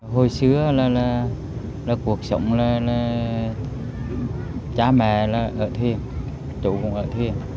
hồi xưa là là là cuộc sống là là cha mẹ là ở thuyền chủ cũng ở thuyền